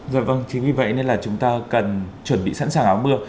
rồi vâng chính vì vậy nên là chúng ta cần chuẩn bị sẵn sàng áo mưa